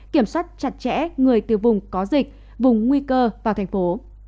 kiểm soát chặt chẽ người từ vùng có dịch vùng nguy cơ vào thành phố